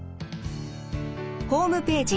ホームページ